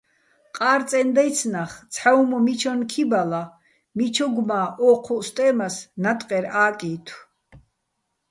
ყა́რწეჼ დაჲცი̆ ნახ, ცჰ̦ა უ̂მ მიჩონ ქიბალა, მიჩოგო̆ მა́ ო́ჴუჸ სტე́მას ნატყერ ა́კჲითო̆.